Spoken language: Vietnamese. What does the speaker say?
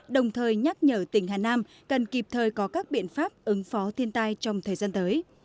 đồng thời nhắc nhở tỉnh hà nam cần kịp thời có các biện pháp ứng phó thiên tai trong thời gian tới